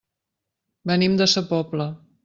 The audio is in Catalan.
Venim de sa Pobla.